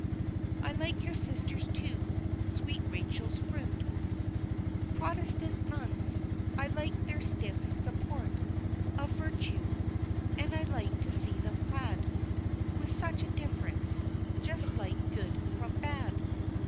I like your sisters too, sweet Rachel's fruit Protestant nuns! I like their stiff support Of virtue and I like to see them clad With such a difference just like good from bad!